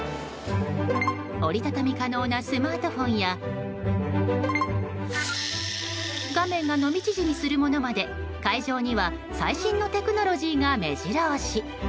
折り畳み可能なスマートフォンや画面が伸び縮みするものまで会場には最新のテクノロジーが目白押し。